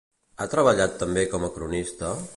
Ha treballat també com a cronista?